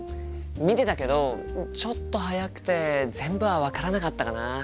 見てたけどちょっと速くて全部は分からなかったかな。